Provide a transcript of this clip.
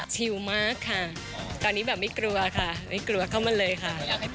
ชิลมากค่ะตอนนี้แบบไม่กลัวค่ะไม่กลัวเข้ามาเลยค่ะ